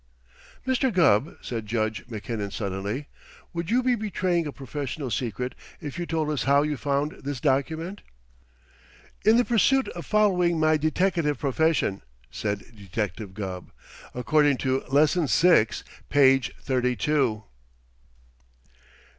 "Mr. Gubb," said Judge Mackinnon suddenly, "would you be betraying a professional secret if you told us how you found this document?" "In the pursuit of following my deteckative profession," said Detective Gubb, "according to Lesson Six, Page Thirty two."